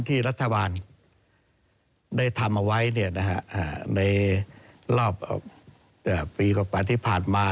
ที่รัฐบาลได้ทำเอาไว้ในรอบปีกว่าที่ผ่านมา